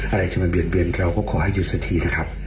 อะไรจะมาเบียดเบียนกับเราก็ขอให้อยู่สถีนะครับ